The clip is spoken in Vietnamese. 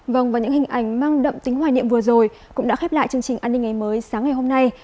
vâng và những hình ảnh mang đậm tính hoài niệm vừa rồi cũng đã khép lại chương trình an ninh ngày mới sáng ngày hôm nay